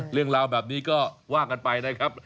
เรื่องราวแบบนี้ก็ว่ากันไปนะครับ